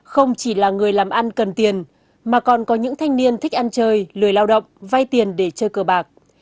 không chỉ là người làm ăn cần tiền mà còn có những thanh niên thích ăn chơi lười lao động vay tiền để chơi cờ bạc